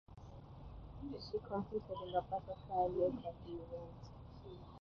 She competed in the butterfly leg of the event.